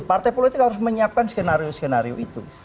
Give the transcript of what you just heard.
partai politik harus menyiapkan skenario skenario itu